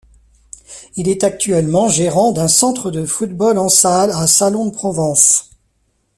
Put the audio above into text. Il est actuellement gérant d'un centre de football en salle à Salon-de-Provence.